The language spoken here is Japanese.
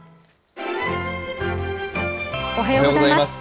おはようございます。